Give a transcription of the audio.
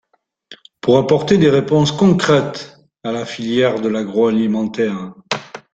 pour apporter des réponses concrètes à la filière de l’agroalimentaire